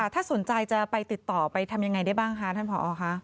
ถ้าสนใจจะไปติดต่อไปทำยังไงได้บ้างคะท่านผอค่ะ